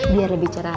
biar lebih cerah ya